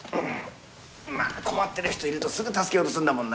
まあ困ってる人いるとすぐ助けようとするんだもんな。